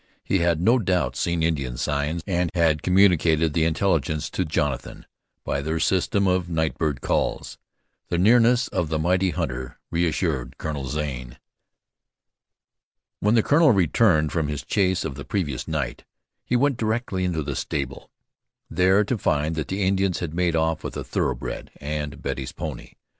He had no doubt seen Indian signs, and had communicated the intelligence to Jonathan by their system of night bird calls. The nearness of the mighty hunter reassured Colonel Zane. When the colonel returned from his chase of the previous night, he went directly to the stable, there to find that the Indians had made off with a thoroughbred, and Betty's pony.